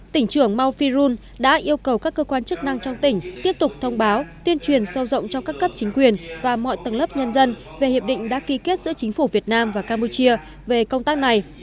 tỉnh trưởng mauphiron đã yêu cầu các cơ quan chức năng trong tỉnh tiếp tục thông báo tuyên truyền sâu rộng trong các cấp chính quyền và mọi tầng lớp nhân dân về hiệp định đã ký kết giữa chính phủ việt nam và campuchia về công tác này